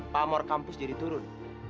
pamor kampus jadi turun